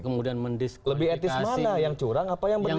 lebih etis mana yang curang apa yang berkumpul